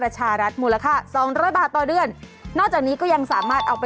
ใช้เมียได้ตลอด